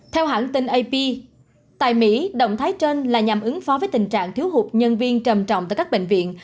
theo hãng tin ap tại mỹ động thái trên là nhằm ứng phó với tình trạng thiếu hụt nhân viên trầm trọng tại các bệnh viện